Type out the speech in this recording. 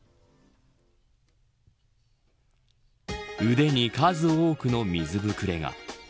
腕に数多くの水ぶくれが。